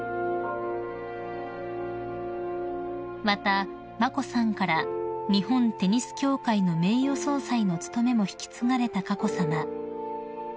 ［また眞子さんから日本テニス協会の名誉総裁の務めも引き継がれた佳子さま］